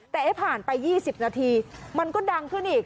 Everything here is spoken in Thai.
แต่ผ่านไป๒๐นาทีมันก็ดังขึ้นอีก